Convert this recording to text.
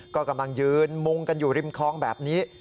ก็กำลังยืนมุงกันอยู่ริมคลองแบบนี้